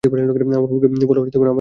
আমার বউকে বোলো আমায় ক্ষমা করে দিতে।